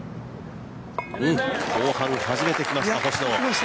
後半、初めてきました星野。